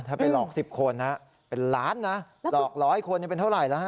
ถ้าไปหลอก๑๐คนเป็นล้านนะหลอก๑๐๐คนยังเป็นเท่าไรนะ